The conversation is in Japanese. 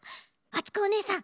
あつこおねえさん